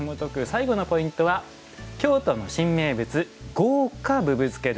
最後のポイントは京都の新名物「豪華ぶぶ漬け」。